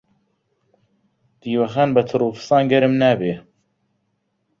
دیوەخان بە تڕ و فسان گەرم نابی.